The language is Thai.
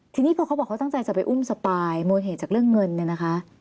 ทีนี้พอเขาบอกเขาตั้งใจจะไปอุ้มสปายโมเหตุจากเรื่องเงินเนี่ยนะคะ